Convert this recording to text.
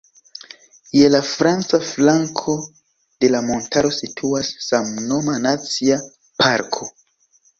Je la franca flanko de la montaro situas samnoma Nacia Parko.